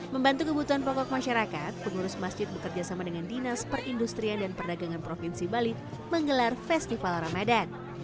membantu kebutuhan pokok masyarakat pengurus masjid bekerjasama dengan dinas perindustrian dan perdagangan provinsi bali menggelar festival ramadan